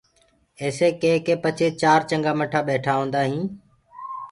ايسي ڪي ڪي پچهي چآر چنگآ ٻٽآ هوندآ هينٚ